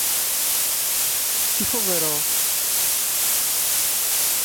Τι φοβερό!